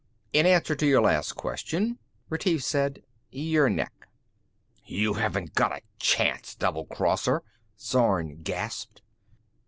"In answer to your last question," Retief said, "your neck." "You haven't got a chance, doublecrosser," Zorn gasped.